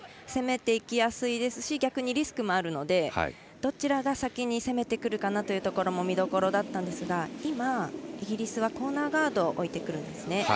攻めていきやすいですし逆にリスクもあるのでどちらが先に攻めてくるかなというところも見どころだったんですが今、イギリスはコーナーガードを置いてくるんですね。